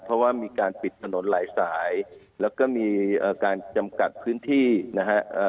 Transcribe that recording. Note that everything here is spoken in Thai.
เพราะว่ามีการปิดถนนหลายสายแล้วก็มีการจำกัดพื้นที่นะฮะ